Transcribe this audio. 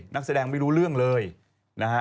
นักแสดงไม่รู้เรื่องเลยนะฮะ